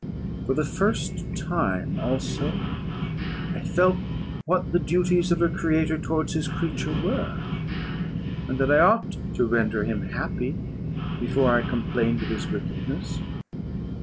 For the first time, also, I felt what the duties of a creator towards his creature were, and that I ought to render him happy before I complained of his wickedness.